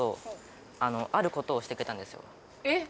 えっ？